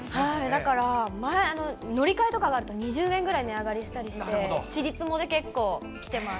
だから乗り換えとかあると、２０円ぐらい値上がりしたりして、ちりつもで結構きてます。